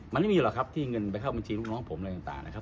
มันไม่มีหรอกครับที่เงินไปเข้าบัญชีลูกน้องผมอะไรต่างนะครับ